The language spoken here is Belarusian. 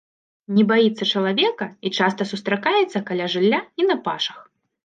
Не баіцца чалавека і часта сустракаецца каля жылля і на пашах.